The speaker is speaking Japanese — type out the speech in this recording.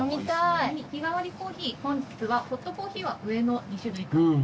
日替わりコーヒー本日はホットコーヒーは上の２種類から。